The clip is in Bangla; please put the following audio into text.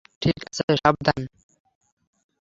ঠিক আছে, সাবধান।